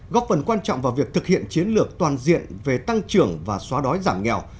góp phần quan trọng vào việc thực hiện chiến lược toàn diện về tăng trưởng và xóa đói giảm nghèo